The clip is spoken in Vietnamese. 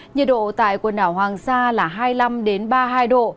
nhiệt độ tại quần đảo hoàng sa là hai mươi năm ba mươi hai độ